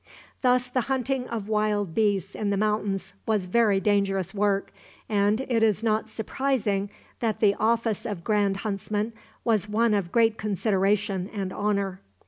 Thus the hunting of wild beasts in the mountains was very dangerous work, and it is not surprising that the office of grand huntsman was one of great consideration and honor.